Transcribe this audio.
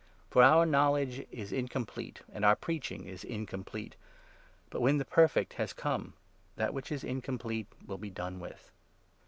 For our knowledge 9 is incomplete, and our preaching is incomplete, but, when the 10 Perfect has come, that which is incomplete will be done with.